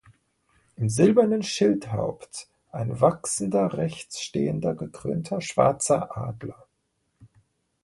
Im silbernen Schildhaupt ein wachsender rechts stehender gekrönter schwarzer Adler.